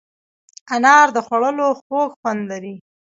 انار د خوړو خوږ خوند لري.